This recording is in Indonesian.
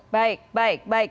baik baik baik